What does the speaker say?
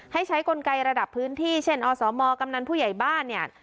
ให้ใช้กลไกระดับพื้นที่เช่นอสมกำนันผู้ใหญ่บ้านเนี่ย